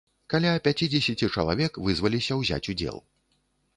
Каля пяцідзесяці чалавек вызваліся ўзяць удзел.